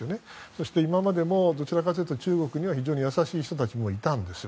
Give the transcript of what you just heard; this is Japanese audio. そして今までもどちらかというと中国に非常に優しい人たちもいたんです。